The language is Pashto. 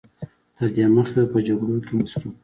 تر دې مخکې به په جګړو کې مصروف و.